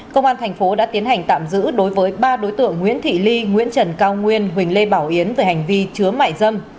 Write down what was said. công an thành phố đã tiến hành tạm giữ đối với ba đối tượng nguyễn thị ly nguyễn trần cao nguyên huỳnh lê bảo yến về hành vi chứa mại dâm